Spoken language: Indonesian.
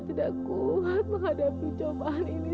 semoga saya enam selamat ini